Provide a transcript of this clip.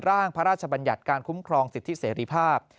ร่างพระราชบัญญัติการคุ้มครองสิทธิเสรีภาพ